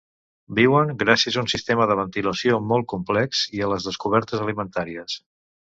Viuen gràcies a un sistema de ventilació molt complex i a les descobertes alimentàries.